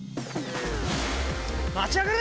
待ちやがれ！